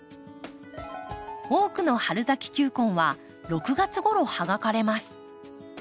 多くの春咲き球根は６月ごろ葉が枯れます。